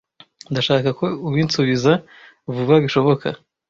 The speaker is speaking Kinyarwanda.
Ndashaka ko ubinsubiza vuba bishoboka.